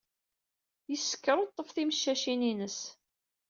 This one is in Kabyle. Yessekruṭṭef timeccacin-ines.